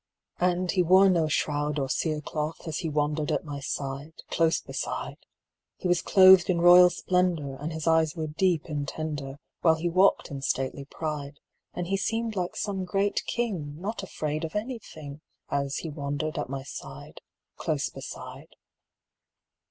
And he wore no shroud or cere cloth As he wandered at my side, close beside: He was clothed in royal splendour And his eyes were deep and tender, While he walked in stately pride; And he seemed like some great king, Not afraid of anything, As he wandered at my side, close beside.